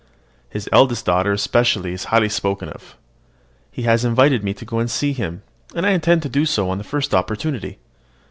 His eldest daughter especially is highly spoken of. He has invited me to go and see him, and I intend to do so on the first opportunity.